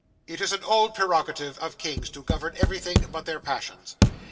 'It is an old prerogative of kings to govern everything but their passions.